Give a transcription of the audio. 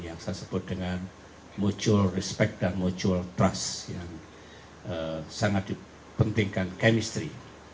yang saya sebut dengan mutual respect dan mutual trust yang sangat dipentingkan chemistry